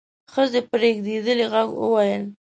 ښځې په رېږدېدلي غږ وويل: